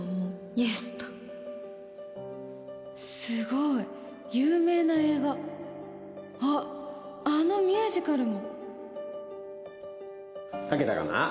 イエスとすごい有名な映画あっあのミュージカルも書けたかな？